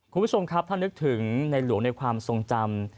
คุณผู้ชมครับถ้านึกถึงในหลวงในความทรงจำ